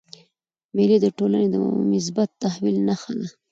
مېلې د ټولني د مثبت تحول نخښه ده.